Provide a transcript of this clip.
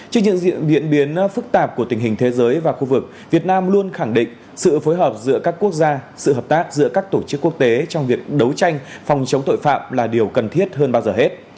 trên những diễn biến phức tạp của tình hình thế giới và khu vực việt nam luôn khẳng định sự phối hợp giữa các quốc gia sự hợp tác giữa các tổ chức quốc tế trong việc đấu tranh phòng chống tội phạm là điều cần thiết hơn bao giờ hết